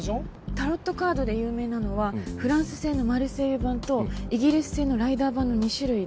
タロットカードで有名なのはフランス製のマルセイユ版とイギリス製のライダー版の２種類で。